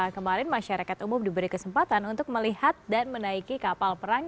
kemarin masyarakat umum diberi kesempatan untuk melihat dan menaiki kapal perang